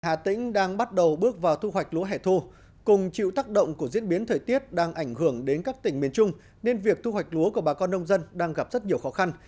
hà tĩnh đang bắt đầu bước vào thu hoạch lúa hẻ thu cùng chịu tác động của diễn biến thời tiết đang ảnh hưởng đến các tỉnh miền trung nên việc thu hoạch lúa của bà con nông dân đang gặp rất nhiều khó khăn